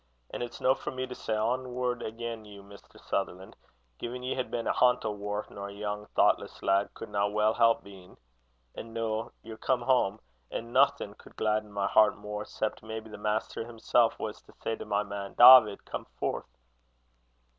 An' it's no for me to say ae word agen you, Maister Sutherlan', gin ye had been a hantle waur nor a young thochtless lad cudna weel help bein'. An' noo ye're come hame, an' nothing cud glaidden my heart mair, 'cep', maybe, the Maister himsel' was to say to my man: 'Dawvid! come furth.'"